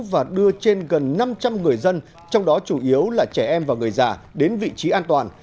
và đưa trên gần năm trăm linh người dân trong đó chủ yếu là trẻ em và người già đến vị trí an toàn